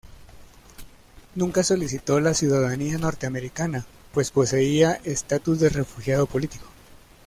Nunca solicitó la ciudadanía norteamericana pues poseía estatus de refugiado político.